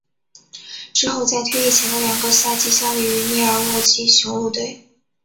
之后在退役前的两个赛季效力于密尔沃基雄鹿队。